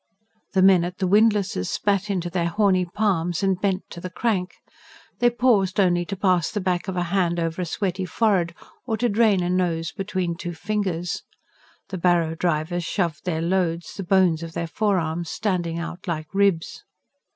The men at the windlasses spat into their horny palms and bent to the crank: they paused only to pass the back of a hand over a sweaty forehead, or to drain a nose between two fingers. The barrow drivers shoved their loads, the bones of their forearms standing out like ribs.